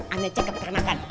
ane cek ke peternakan